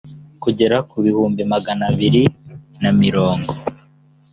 kugera ku bihumbi magana abiri na mirongo